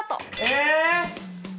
え！